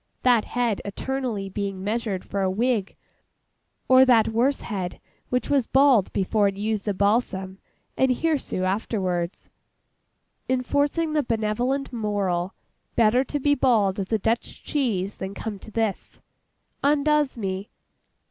That head eternally being measured for a wig, or that worse head which was bald before it used the balsam, and hirsute afterwards—enforcing the benevolent moral, 'Better to be bald as a Dutch cheese than come to this,'—undoes me.